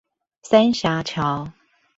三峽橋